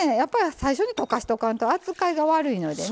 最初に溶かしとかんと扱いが悪いのでね。